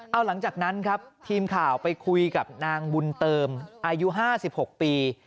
เอาหลังจากนั้นครับทีมข่าวไปคุยกับนางบุญเติมอายุ๕๖ปี